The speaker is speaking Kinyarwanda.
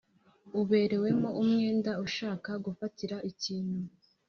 Uberewemo umwenda ushaka gufatira ikintu